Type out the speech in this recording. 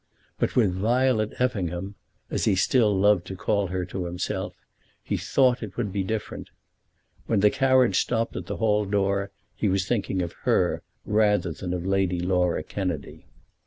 But with Violet Effingham, as he still loved to call her to himself, he thought it would be different. When the carriage stopped at the hall door he was thinking of her rather than of Lady Laura Kennedy.